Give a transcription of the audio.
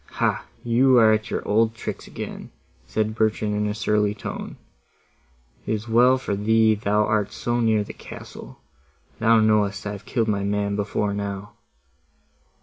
"Hah! you are at your old tricks again," said Bertrand in a surly tone. "It is well for thee thou art so near the castle; thou knowest I have killed my man before now."